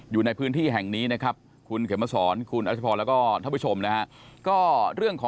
บ้านกอกกอก